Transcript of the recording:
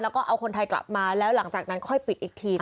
แล้วก็เอาคนไทยกลับมาแล้วหลังจากนั้นค่อยปิดอีกที